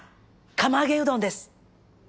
釜揚げうどんです！